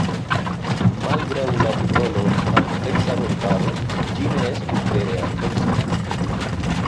Malgraŭ la titolo "ampleksa vortaro" ĝi ne estus vere ampleksa.